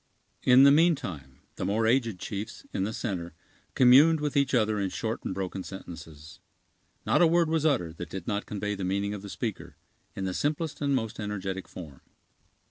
In the meantime, the more aged chiefs, in the center, communed with each other in short and broken sentences. Not a word was uttered that did not convey the meaning of the speaker, in the simplest and most energetic form.